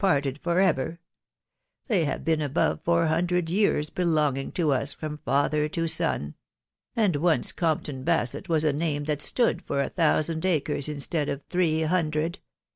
parted for ever .... they have been above four hundred years belonging to us from father to son ; and ■onee Compton B^sett was a name that stood for » thousand acres instead of three hundred